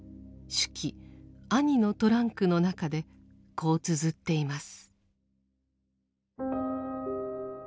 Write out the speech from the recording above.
手記「兄のトランク」の中でこうつづっています。